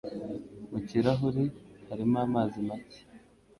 Mu kirahure harimo amazi make.